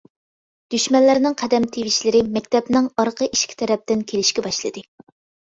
دۈشمەنلەرنىڭ قەدەم تىۋىشلىرى، مەكتەپنىڭ ئارقا ئىشىكى تەرەپتىن كېلىشكە باشلىدى.